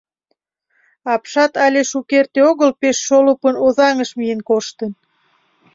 Апшат але шукерте огыл пеш шолыпын Озаҥыш миен коштын.